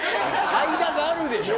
間があるでしょ！